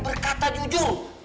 berani berkata jujur